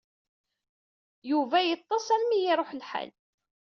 Yuba yeḍḍes armi ay iṛuḥ lḥal.